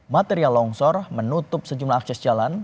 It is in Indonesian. material longsor menutup sejumlah akses jalan